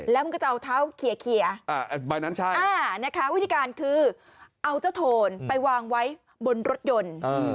แล้วมันก็จะเอาเท้าเคลียร์ใบนั้นใช่นะคะวิธีการคือเอาเจ้าโทนไปวางไว้บนรถยนต์